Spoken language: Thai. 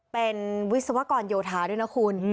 เป็นวิศวกรโยธาด้วยนะคุณ